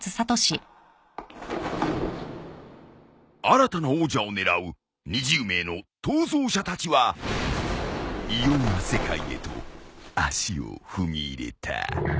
新たな王者を狙う２０名の逃走者たちは異様な世界へと足を踏み入れた。